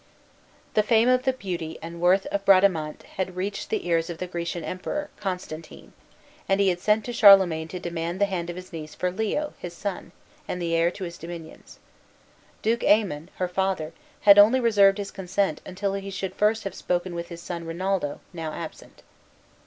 The fame of the beauty and worth of Bradamante had reached the ears of the Grecian Emperor, Constantine, and he had sent to Charlemagne to demand the hand of his niece for Leo, his son, and the heir to his dominions. Duke Aymon, her father, had only reserved his consent until he should first have spoken with his son Rinaldo, now absent.